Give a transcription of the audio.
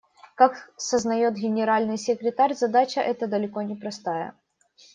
Как сознает Генеральный секретарь, задача эта далеко не простая.